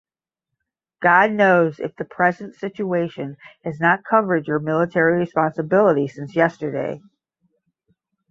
God knows if the present situation has not covered your military responsibility since yesterday.